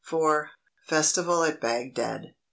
FESTIVAL AT BAGDAD.